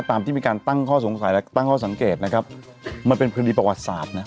ตามที่มีการตั้งข้อสงสัยและตั้งข้อสังเกตนะครับมันเป็นคดีประวัติศาสตร์นะ